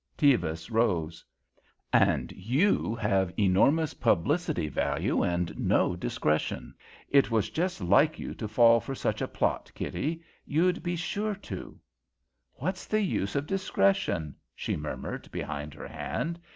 Tevis rose. "And you have enormous publicity value and no discretion. It was just like you to fall for such a plot, Kitty. You'd be sure to." "What's the use of discretion?" She murmured behind her hand.